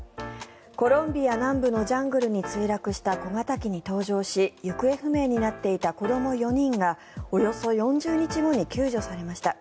コロンビア南部のジャングルに墜落した小型機に搭乗し行方不明になっていた子ども４人がおよそ４０日後に救助されました。